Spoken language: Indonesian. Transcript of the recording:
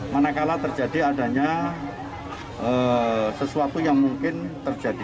manakala terjadi adanya sesuatu yang mungkin terjadi